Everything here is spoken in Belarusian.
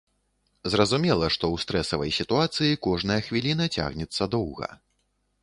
Зразумела, што ў стрэсавай сітуацыі кожная хвіліна цягнецца доўга.